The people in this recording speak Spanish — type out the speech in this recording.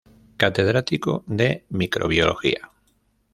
Catedrático de Microbiología.